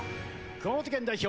熊本県代表